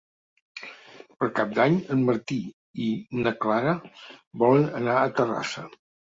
Per Cap d'Any en Martí i na Clara volen anar a Terrassa.